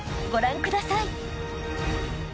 ［ご覧ください］